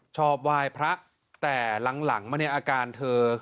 ชอบไหว้พระแต่หลังมาเนี่ยอาการเธอ